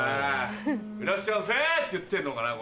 「いらっしゃいませ！」って言ってんのかな？